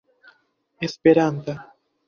esperanta